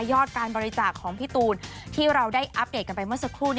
ยอดการบริจาคของพี่ตูนที่เราได้อัปเดตกันไปเมื่อสักครู่